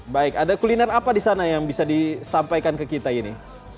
baik ada kuliner apa di sana yang bisa disampaikan ke kita ini